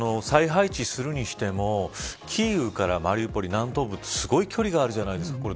再配置するにしてもキーウからマリウポリ南東部すごい距離があるじゃないですか。